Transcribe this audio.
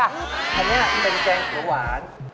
อันนี้เป็นเจนส์เหลือหวาน